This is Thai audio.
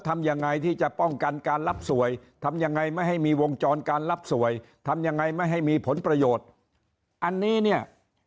ก็สังเกตดูสิครับว่าไม่มีการพูดถึงเรื่องปัญหาสวยเลย